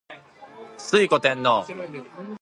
推古天皇